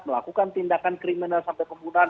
melakukan tindakan kriminal sampai pembunuhan